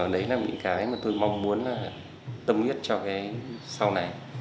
đấy là những cái mà tôi mong muốn tâm huyết cho cái sau này